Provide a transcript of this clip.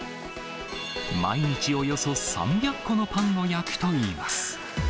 毎日およそ３００個のパンを焼くといいます。